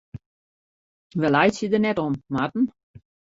Wy laitsje der net om, Marten.